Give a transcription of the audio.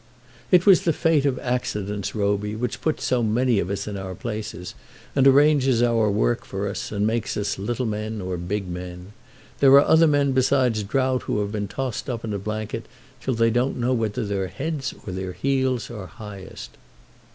"It was the fate of accidents, Roby, which puts so many of us in our places, and arranges our work for us, and makes us little men or big men. There are other men besides Drought who have been tossed up in a blanket till they don't know whether their heads or their heels are highest."